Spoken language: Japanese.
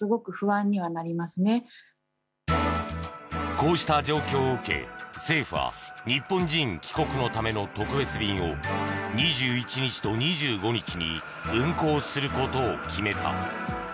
こうした状況を受け、政府は日本人帰国のための特別便を２１日と２５日に運航することを決めた。